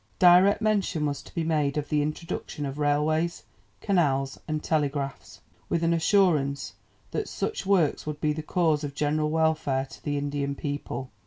Direct mention was to be made of the introduction of railways, canals, and telegraphs, with an assurance that such works would be the cause of general welfare to the Indian people.